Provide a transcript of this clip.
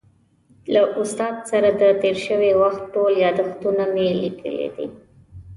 له استاد سره د تېر شوي وخت ټول یادښتونه مې لیکلي دي.